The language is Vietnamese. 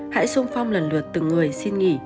hãy sung phong lần lượt từng người xin nghỉ